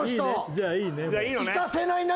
じゃあいいね？